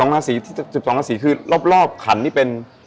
๑๒ลาสี๑๒ลาสีคือรอบขันนี่เป็น